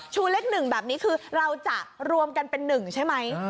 ชูเล็กหนึ่งแบบนี้คือเราจะรวมกันเป็นหนึ่งใช่ไหม